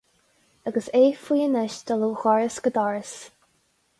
Agus é faoi anois dul ó dhoras go doras.